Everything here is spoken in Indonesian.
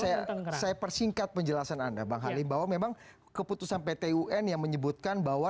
saya persingkat penjelasan anda bang halim bahwa memang keputusan pt un yang menyebutkan bahwa